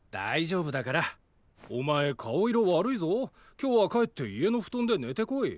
今日は帰って家のふとんでねてこい。